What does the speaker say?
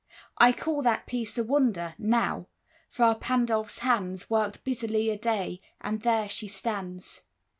I call That piece a wonder, now: Fra Pandolf's hands Worked busily a day, and there she stands.